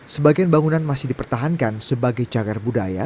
sebagian bangunan masih dipertahankan sebagai cagar budaya